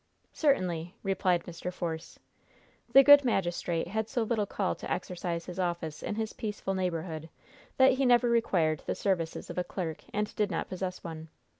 "Certainly," replied Mr. Force. The good magistrate had so little call to exercise his office in his peaceful neighborhood that he never required the services of a clerk, and did not possess one.